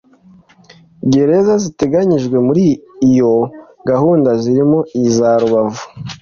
Gereza ziteganyijwe muri iyo gahunda zirimo iza Rubavu